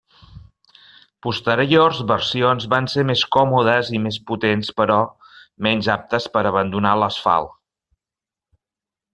Posteriors versions van ser més còmodes i més potents però menys aptes per abandonar l'asfalt.